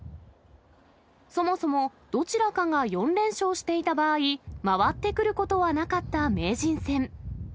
そもそも、どちらかが４連勝していた場合、回ってくることはなかった名人戦。